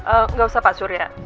ee nggak usah pak surya